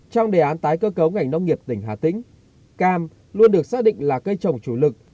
trong đề án tái cơ cấu ngành nông nghiệp tỉnh hà tĩnh cam luôn được xác định là cây trồng chủ lực